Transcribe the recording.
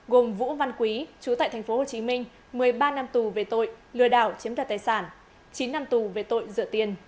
gồm vũ văn quý trú tại thành phố hồ chí minh một mươi ba năm tù về tội lừa đảo chiếm đặt tài sản chín năm tù về tội dựa tiền